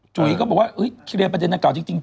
จุ๋ยก็บอกว่าเคลียร์ประเทศนักการณ์จริง